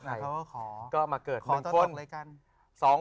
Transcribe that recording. เขาก็ขอขอโต๊ะต่อละกัน